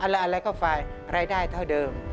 อันแหละอันแหละก็ไฟรายได้เท่าเดิม